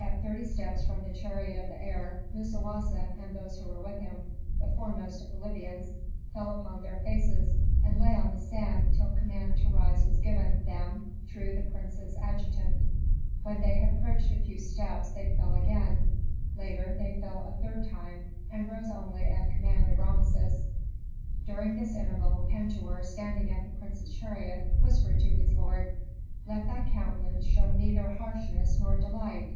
At thirty steps from the chariot of the heir Musawasa and those who were with him, the foremost of the Libyans, fell upon their faces and lay on the sand till command to rise was given them through the prince's adjutant. When they had approached a few steps they fell again; later they fell a third time, and rose only at command of Rameses. During this interval Pentuer, standing at the prince's chariot, whispered to his lord, "Let thy countenance show neither harshness nor delight.